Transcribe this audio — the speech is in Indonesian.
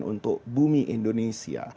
untuk bumi indonesia